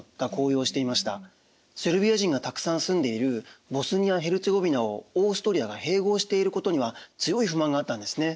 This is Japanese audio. セルビア人がたくさん住んでいるボスニア＝ヘルツェゴヴィナをオーストリアが併合していることには強い不満があったんですね。